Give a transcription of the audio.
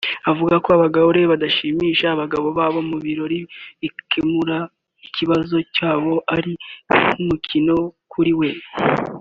avuga ko abagore badashimisha abagabo babo mu buriri gukemura ikibazo cy’abo ari nk’umukino kuri we